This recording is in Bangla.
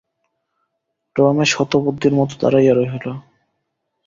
রমেশ হতবুদ্ধির মতো দাঁড়াইয়া রহিল।